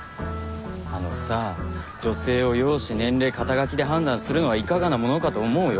あのさ女性を容姿年齢肩書で判断するのはいかがなものかと思うよ。